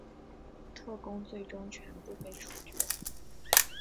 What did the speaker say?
特工最终全部被处决。